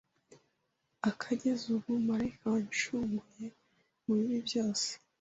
ikageza ubu, marayika wancunguye mu bibi byose